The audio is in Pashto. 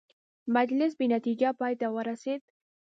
مجلس بې نتیجې پای ته ورسېد.